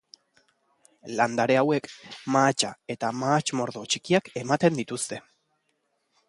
Landare hauek mahatsa eta mahats-mordo txikiak ematen dituzte.